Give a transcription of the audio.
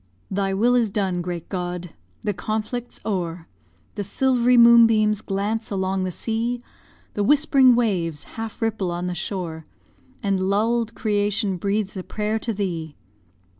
Thy will is done, great God! the conflict's o'er, The silvery moonbeams glance along the sea; The whispering waves half ripple on the shore, And lull'd creation breathes a prayer to thee!